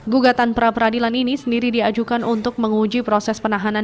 gugatan pra peradilan ini sendiri diajukan untuk menguji proses penahanan